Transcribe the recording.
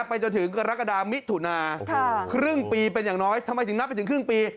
ไปจนถึงกรกฎามิถุนาครึ่งปีเป็นอย่างน้อยทำไมถึงนับไปถึงครึ่งปี